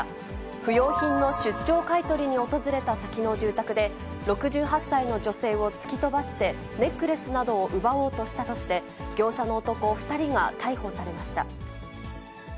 不用品の出張買い取りに訪れた先の住宅で、６８歳の女性を突き飛ばして、ネックレスなどを奪おうとしたとして、業者の男２人が逮捕されました。